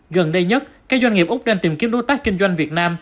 gần đây nhất các doanh nghiệp úc đang tìm kiếm đối tác kinh doanh việt nam